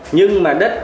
nhưng mà đất